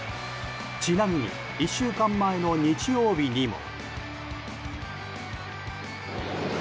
ちなみに１週間前の日曜日にも。